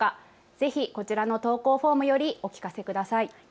ぜひこちらの投稿フォームよりお聞かせください。